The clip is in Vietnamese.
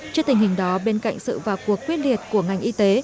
trước tình hình đó bên cạnh sự vào cuộc quyết liệt của ngành y tế